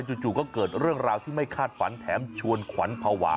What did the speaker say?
จู่ก็เกิดเรื่องราวที่ไม่คาดฝันแถมชวนขวัญภาวะ